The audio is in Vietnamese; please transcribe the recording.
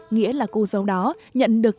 nghĩa là cô dâu đó nhận được